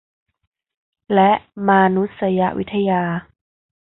และมานุษยวิทยา